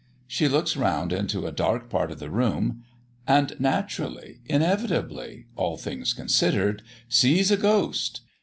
She looks round into a dark part of the room, and naturally, inevitably all things considered sees a ghost.